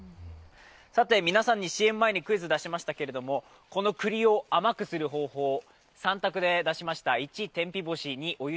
さて皆さんにＣＭ前にクイズ出しましたけどこの栗を甘くする方法、３択で出しました。